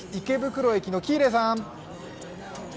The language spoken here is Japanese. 池袋駅の喜入さん。